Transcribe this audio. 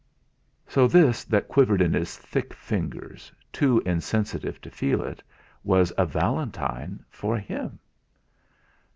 So this that quivered in his thick fingers, too insensitive to feel it, was a valentine for him!